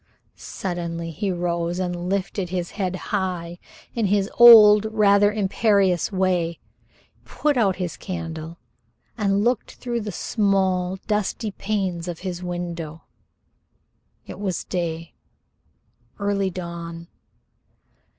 Suddenly he rose and lifted his head high, in his old, rather imperious way, put out his candle, and looked through the small, dusty panes of his window. It was day early dawn.